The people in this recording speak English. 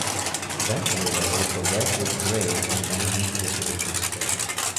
Eventually though, the lead will degrade from the energy to which it is exposed.